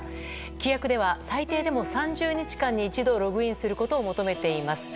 規約では最低でも３０日間に一度ログインすることを求めています。